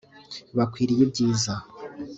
bakwiriye ibyiza